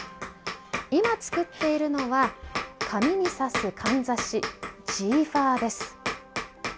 今作っているのは髪に挿すかんざしジーファーです。